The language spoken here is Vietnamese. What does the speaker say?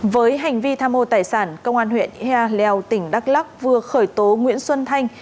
với hành vi tham hồ tài sản công an huyện hè lèo tỉnh đắk lắk vừa khởi tố nguyễn xuân thanh